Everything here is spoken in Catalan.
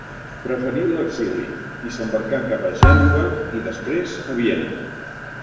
Preferí l'exili, i s'embarcà cap a Gènova, i després a Viena.